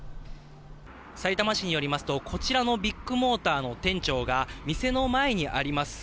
さいたま市によりますと、こちらのビッグモーターの店長が、店の前にあります